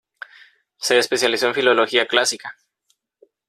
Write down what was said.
Se especializó en Filología Clásica.